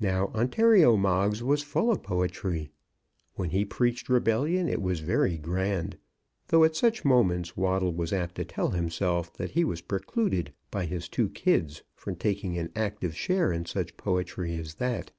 Now Ontario Moggs was full of poetry. When he preached rebellion it was very grand, though at such moments Waddle was apt to tell himself that he was precluded by his two kids from taking an active share in such poetry as that.